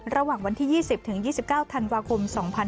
ระหว่างวันที่๒๐ถึง๒๙ธันวาคม๒๕๕๙